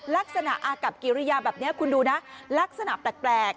ลักษณะอากับกิริยาแบบนี้คุณดูนะลักษณะแปลก